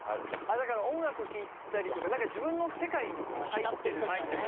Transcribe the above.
だから音楽聴いたりとか自分の世界に入ってる時だね。